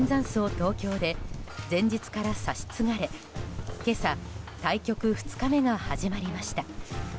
東京で前日から指し継がれ今朝、対局２日目が始まりました。